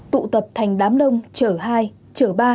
tụ tập thành đám đông trở hai trở ba